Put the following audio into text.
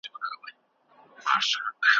په تېرو وختونو کي تاریخ څنګه ولیکل سو؟